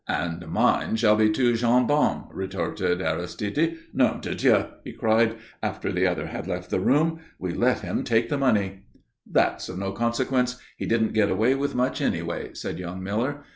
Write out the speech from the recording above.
"And mine shall be two gendarmes," retorted Aristide. "Nom de Dieu!" he cried, after the other had left the room. "We let him take the money!" "That's of no consequence. He didn't get away with much anyway," said young Miller.